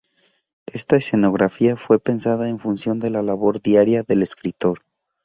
Esta escenografía fue pensada en función de la labor diaria del escritor.